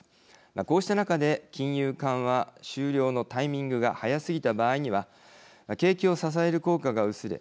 こうした中で金融緩和終了のタイミングが早すぎた場合には景気を支える効果が薄れ